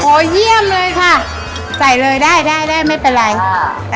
เยี่ยมเลยค่ะใส่เลยได้ได้ได้ไม่เป็นไรอ่า